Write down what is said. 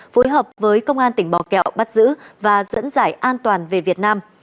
phối hợp với công an tỉnh bò kẹo bắt giữ và dẫn dải an toàn về việt nam